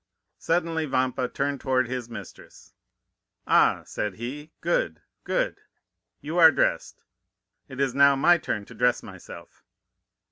Suddenly Vampa turned toward his mistress: "'Ah,' said he—'good, good! You are dressed; it is now my turn to dress myself.